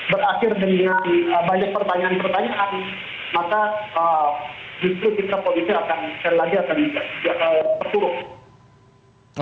banyak pertanyaan maka fitra polisi akan seri lagi akan berkurung